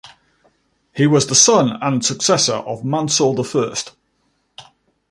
He was the son and successor of Mansur the First.